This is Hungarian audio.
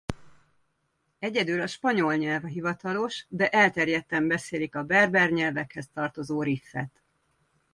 Egyedül a spanyol nyelv a hivatalos de elterjedten beszélik a berber nyelvekhez tartozó riffet.